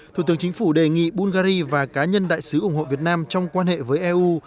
thủ tướng chính phủ đề nghị bulgari và cá nhân đại sứ ủng hộ việt nam trong quan hệ với eu